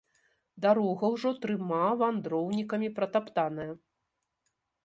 Дарога ўжо трыма вандроўнікамі пратаптаная.